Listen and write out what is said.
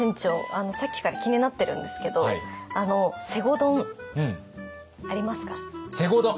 あのさっきから気になってるんですけどあの西郷丼ありますか？